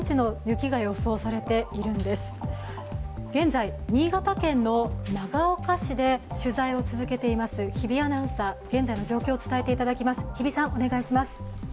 現在、新潟県の長岡市で取材を続けています日比アナウンサー、現在の状況を伝えていただきます。